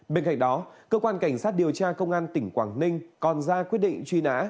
bên cạnh đó cơ quan cảnh sát điều tra công an tỉnh quảng ninh còn ra quyết định truy nã